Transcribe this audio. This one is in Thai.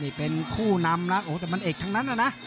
นี่เป็นคู่นำนะโอ้แต่มันเอกทั้งนั้นนะ